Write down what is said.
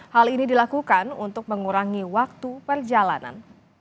hal ini dilakukan untuk mengurangi waktu perjalanan